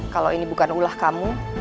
kalau ini bukan ulah kamu